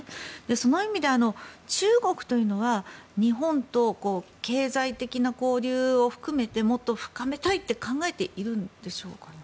その意味で、中国というのは日本と経済的な交流を含めてもっと深めたいと考えているんでしょうか。